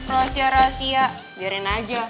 rahasia rahasia biarin aja